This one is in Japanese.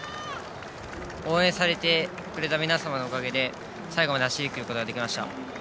応援されてくれた皆様のおかげで最後まで走りきることができました。